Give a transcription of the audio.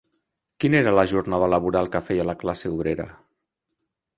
Quina era la jornada laboral que feia la classe obrera?